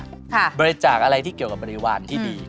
บริจาคอะไรที่เกี่ยวกับบริวารที่ดี